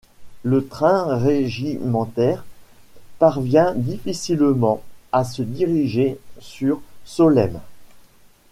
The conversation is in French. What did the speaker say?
Le train régimentaire parvient difficilement à se diriger sur Solesmes.